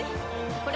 これ！